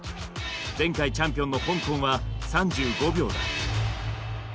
前回チャンピオンの香港は３５秒だ。